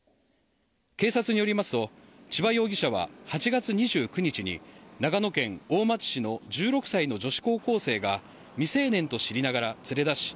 警察によりますと千葉容疑者は８月２９日長野県大町市の１６歳の女子高校生が未成年と知りながら連れ出し